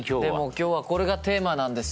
今日はこれがテーマなんですよ。